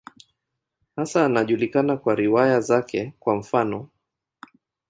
Hasa anajulikana kwa riwaya zake, kwa mfano.